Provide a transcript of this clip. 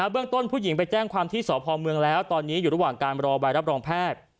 เรื่องต้นผู้หญิงไปแจ้งความที่สพเมืองแล้วตอนนี้อยู่ระหว่างการรอใบรับรองแพทย์